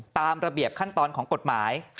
ตามระเบียบขั้นตอนของกฎหมาย